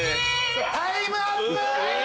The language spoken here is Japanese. タイムアップ！